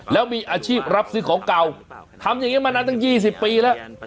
แล้วมีอาชีพรับซื้อของเก่าทำอย่างนี้มานานตั้ง๒๐ปีแล้ว